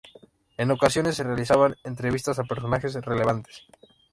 En ocasiones se realizaban entrevistas a personajes relevantes.